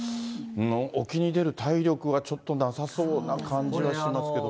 沖に出る体力はちょっと、なさそうな感じはしますけども。